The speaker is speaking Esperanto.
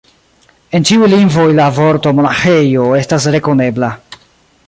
En ĉiuj lingvoj la vorto monaĥejo estas rekonebla.